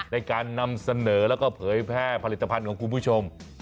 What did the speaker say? ในการนำเสนอแล้วก็เผยแพร่ผลิตภัณฑ์ของคุณผู้ชม